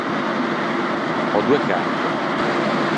Ò doe carte.